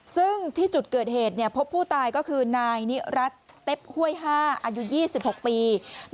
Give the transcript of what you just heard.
ซึ่งที่จุดเกิดเหตุพบผู้ตายก็คือนายนิรัติเต็บห้วย๕อายุ๒๖ปี